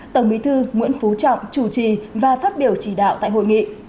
tổng bí thư nguyễn phú trọng chủ trì và phát biểu chỉ đạo tại hội nghị